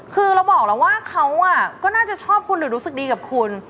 คือเราบอกแล้วว่าเขาก็น่าจะชอบคุณหรือรู้สึกดีกับคุณ